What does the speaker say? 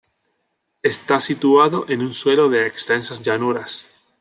Está situado en un suelo de extensas llanuras.